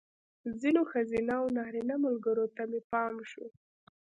ځینو ښځینه او نارینه ملګرو ته مې پام شو.